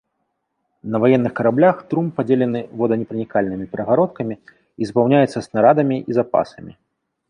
На ваенных караблях трум падзелены воданепранікальнымі перагародкамі і запаўняецца снарадамі і запасамі.